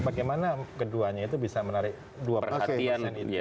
bagaimana keduanya itu bisa menarik dua perhatian